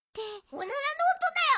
オナラのおとだよ！